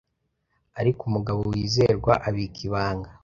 ariko umugabo wizerwa abika ibanga